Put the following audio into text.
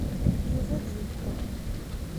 Yuba ad yelḥu.